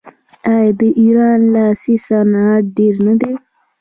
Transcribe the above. آیا د ایران لاسي صنایع ډیر نه دي؟